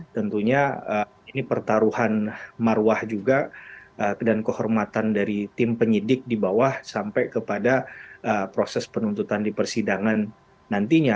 tentunya ini pertaruhan marwah juga dan kehormatan dari tim penyidik di bawah sampai kepada proses penuntutan di persidangan nantinya